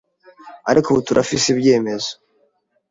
ariko ubu turafise ibyemezo